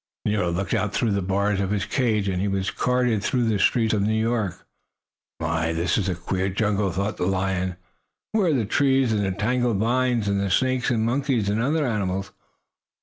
Nero looked out through the bars of his cage as he was carted through the streets of New York. "My, this is a queer jungle!" thought the lion. "Where are the trees and the tangled vines and the snakes and monkeys and other animals?